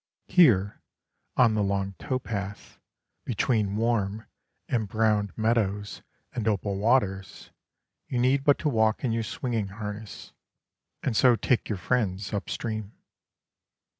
Here, on the long tow path, between warm, embrowned meadows and opal waters, you need but to walk in your swinging harness, and so take your friends up stream.